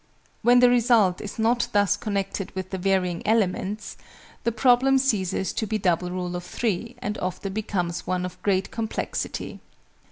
When the result is not thus connected with the varying elements, the Problem ceases to be Double Rule of Three and often becomes one of great complexity.